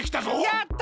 やった！